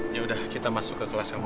ya udah kita masuk ke kelas kamu